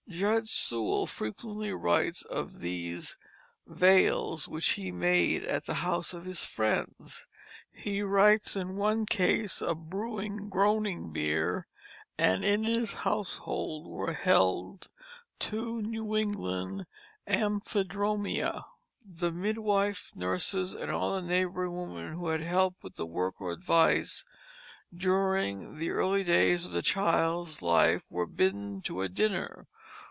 Judge Sewall frequently writes of these "vails" which he made at the house of his friends. He writes in one case of brewing "groaning beer," and in his household were held two New England amphidromia. The midwife, nurses, and all the neighboring women who had helped with work or advice during the early days of the child's life were bidden to a dinner.